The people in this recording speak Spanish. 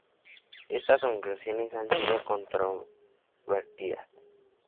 Estas conclusiones han sido controvertidas.